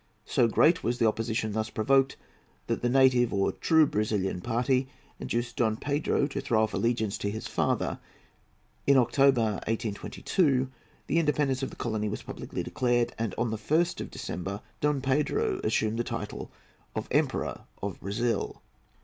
So great was the opposition thus provoked that the native or true Brazilian party induced Don Pedro to throw off allegiance to his father. In October, 1822, the independence of the colony was publicly declared, and on the 1st of December Don Pedro assumed the title of Emperor of Brazil.